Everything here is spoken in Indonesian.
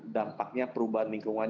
dampaknya perubahan lingkungan